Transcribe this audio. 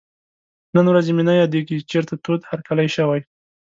تر نن ورځې مې نه یادېږي چېرته تود هرکلی شوی.